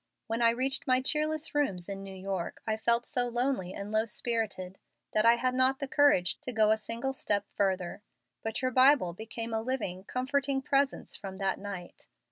When I reached my cheerless rooms in New York I felt so lonely and low spirited that I had not the courage to go a single step further. But your Bible became a living, comforting presence from that night.